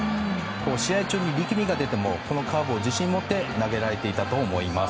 試合中に力みが出てもこのカーブを自信を持って投げられていたと思います。